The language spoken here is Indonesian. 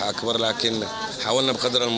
tapi kami berusaha dengan kemampuan yang bisa